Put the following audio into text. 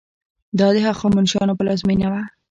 دا د هخامنشیانو پلازمینه وه.